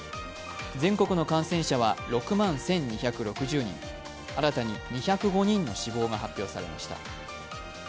全国の感染者は６万１２６０人、新たに２０５人の死亡が確認されました。